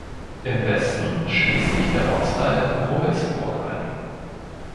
Im Westen schließt sich der Ortsteil Rummelsburg an.